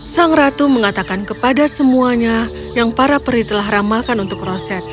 sang ratu mengatakan kepada semuanya yang para peri telah ramalkan untuk roset